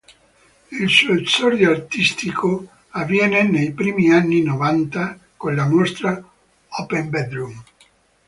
Il suo esordio artistico avviene nei primi anni Novanta con la mostra Open Bedroom.